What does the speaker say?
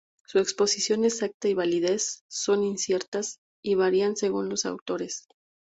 Su posición exacta y validez son inciertas, y varían según los autores.